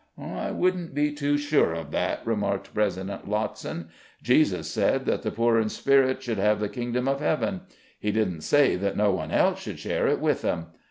"I wouldn't be too sure of that," remarked President Lottson; "Jesus said that the poor in spirit should have the kingdom of heaven; He didn't say that no one else should share it with them.